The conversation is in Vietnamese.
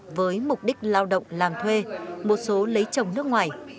đa số các trường hợp này xuất cảnh với mục đích lao động làm thuê một số lấy chồng nước ngoài